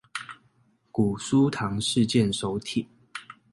古書堂事件手帖